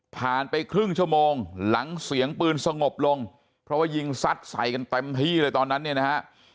ไปครึ่งชั่วโมงหลังเสียงปืนสงบลงเพราะว่ายิงซัดใส่กันเต็มที่เลยตอนนั้นเนี่ยนะฮะ